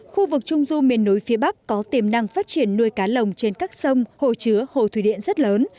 khu vực trung du miền núi phía bắc có tiềm năng phát triển nuôi cá lồng trên các sông hồ chứa hồ thủy điện rất lớn